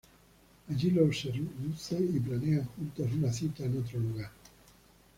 Allí lo seduce y planean juntos una cita en otro lugar.